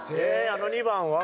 あの２番は？